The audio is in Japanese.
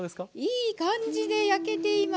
いい感じで焼けています。